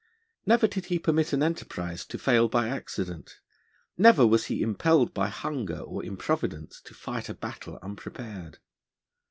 Never did he permit an enterprise to fail by accident; never was he impelled by hunger or improvidence to fight a battle unprepared.